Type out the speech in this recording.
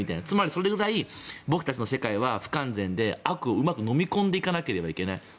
つまり、それぐらい僕たちの世界は不完全で悪をうまくのみ込んでいかなければいけない。